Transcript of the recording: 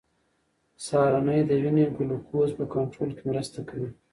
سهارنۍ د وینې ګلوکوز په کنټرول کې مرسته کوي.